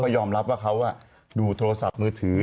ยอมรับว่าเขาดูโทรศัพท์มือถือ